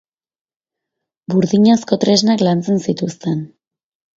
Burdinazko tresnak lantzen zituzten.